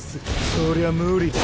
そりゃ無理だ。